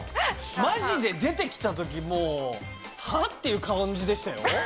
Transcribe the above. まじで出てきたとき、もう、はぁっていう感じでしたよ。